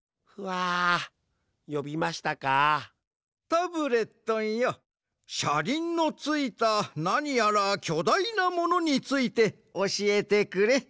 タブレットンよしゃりんのついたなにやらきょだいなものについておしえてくれ。